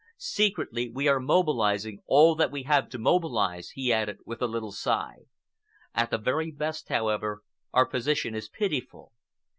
Secretly we are mobilizing all that we have to mobilize," he added, with a little sigh. "At the very best, however, our position is pitiful.